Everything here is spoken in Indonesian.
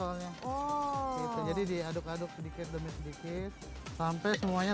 ke dalam ini dia langsung pecah soalnya jadi diaduk aduk sedikit demi sedikit sampai semuanya